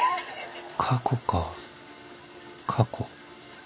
過去か過去